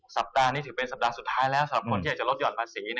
สัปดาห์นี้ถือเป็นสัปดาห์สุดท้ายแล้วสำหรับคนที่อยากจะลดหย่อนภาษี